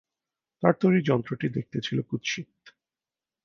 তার তৈরি যন্ত্রটি দেখতে ছিলো কুৎসিত।